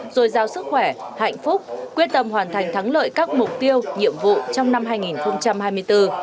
rồi giao sức khỏe hạnh phúc quyết tâm hoàn thành thắng lợi các mục tiêu nhiệm vụ trong năm hai nghìn hai mươi bốn